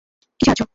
কী সাহায্য?